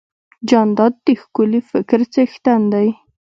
جانداد د ښکلي فکر څښتن دی.